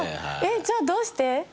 じゃあどうして？